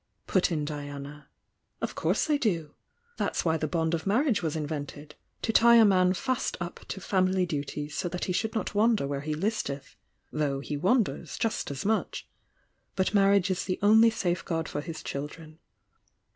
put in Diana. "Of course they do! That's whv the bond of mar riage was invented— to tie a man fast up to family duties so that he should not wander where he listeth — though he wanders just as much — but marriage is the only safeguard for his children.